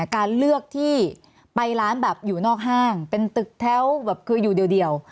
การเลือกที่ไปร้านอยู่นอกห้างเป็นตึกแท้วอยู่เดียว